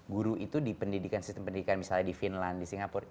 guru itu di pendidikan sistem pendidikan misalnya di finland di singapura